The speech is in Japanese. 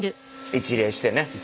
一礼して。